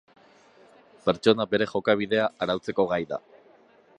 Pertsona bere jokabidea arautzeko gai da